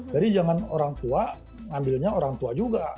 jadi jangan orang tua ambilnya orang tua juga